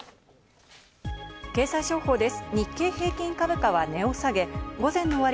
経済情報です。